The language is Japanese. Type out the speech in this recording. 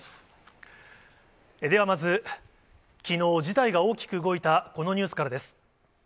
ではまず、きのう、事態が大きく動いたこのニュースからです。